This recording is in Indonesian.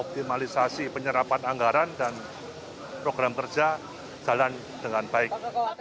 optimalisasi penyerapan anggaran dan program kerja jalan dengan baik